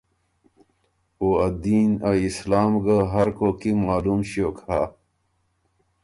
او ا دین ا اسلام ګه هر کوک کی معلوم ݭیوک هۀ۔